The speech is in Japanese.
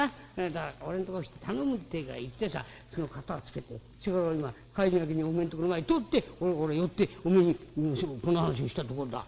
だから俺のとこ来て『頼む』ってえから行ってさその片をつけてちょうど今帰りがけにおめえんとこの前通って寄っておめえにこの話をしたとこだ」。